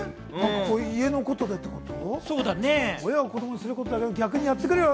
家のことでってこと？